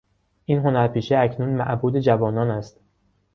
این هنرپیشه اکنون معبود جوانان است.